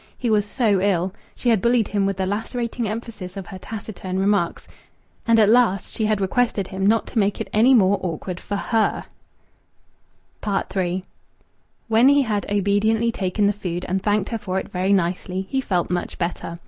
He was so ill.... She had bullied him with the lacerating emphasis of her taciturn remarks.... And at last she had requested him not to make it any more awkward for her!... III When he had obediently taken the food and thanked her for it very nicely, he felt much better.